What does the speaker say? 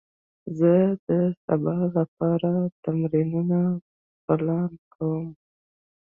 زه د سبا لپاره تمرینونه پلان کوم.